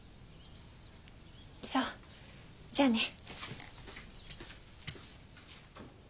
そうじゃあね。